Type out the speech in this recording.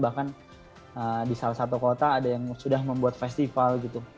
bahkan di salah satu kota ada yang sudah membuat festival gitu